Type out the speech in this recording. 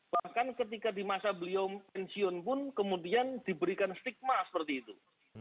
bahkan ketika di masa beliau pensiun pun kemudian diberikan stigma seperti itu